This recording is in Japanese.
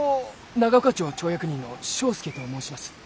長岡町町役人の庄助と申します。